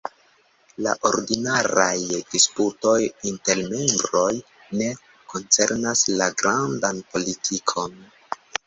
La ordinaraj disputoj inter membroj ne koncernas la grandan politikon.